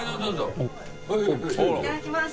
いただきます。